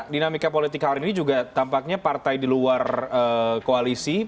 dinamika politik hari ini juga tampaknya partai di luar koalisi